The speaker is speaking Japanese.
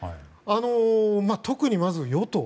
特に、まず与党。